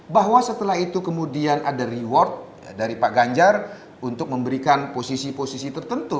bahwa setelah itu kemudian ada reward dari pak ganjar untuk memberikan posisi posisi tertentu